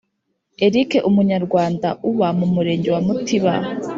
Eric Umunyarwanda uba mu Murenge wa mutiba